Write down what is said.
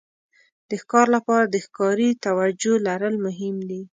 د ښکار لپاره د ښکاري توجو لرل مهم دي.